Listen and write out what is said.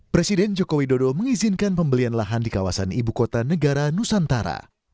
presiden joko widodo mengizinkan pembelian lahan di kawasan ibu kota negara nusantara